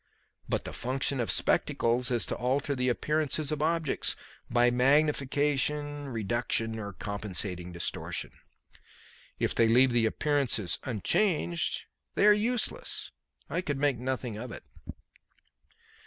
But the function of spectacles is to alter the appearances of objects, by magnification, reduction or compensating distortion. If they leave the appearances unchanged they are useless. I could make nothing of it.